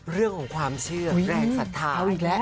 เรื่องของความเชื่อแรงศรัทธา